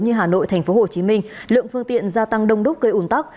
như hà nội tp hcm lượng phương tiện gia tăng đông đúc gây ủn tắc